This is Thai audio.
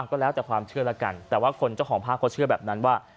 ก็แล้วแต่ความเชื่อแล้วกันแต่ว่าคนเจ้าของภาพเขาเชื่อแบบนั้นว่า